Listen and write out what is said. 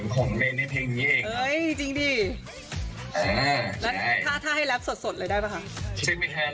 ของเมย์ในเพลงนี้เองเฮ้ยจริงดิอ่าใช่แล้วถ้าถ้าให้แร็ปสดสดเลยได้ป่ะค่ะ